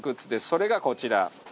それがこちら。